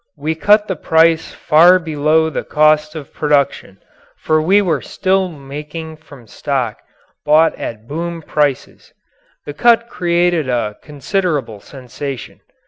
We cut the price far below the cost of production, for we were still making from stock bought at boom prices. The cut created a considerable sensation.